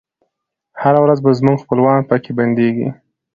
هره ورځ به زموږ خپلوان پکښي بندیږی